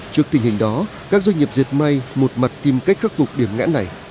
trước tình hình đó các doanh nghiệp diệt may một mặt tìm cách khắc phục điểm ngãn này